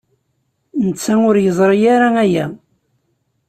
Netta ur yeẓri ara aya.